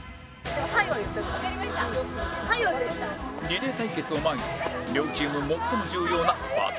リレー対決を前に両チーム最も重要なバトン練習